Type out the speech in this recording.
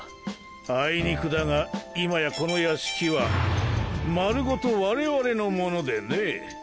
あいにくだが今やこの屋敷は丸ごと我々のものでね。